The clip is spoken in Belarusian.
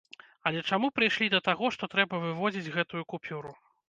Але чаму прыйшлі да таго, што трэба выводзіць гэтую купюру?